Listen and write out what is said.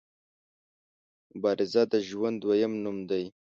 مبارزه د ژوند دویم نوم دی.